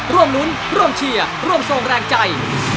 ร่วมรุ้นร่วมเชียร์ร่วมส่งแรงใจ